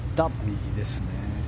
右ですね。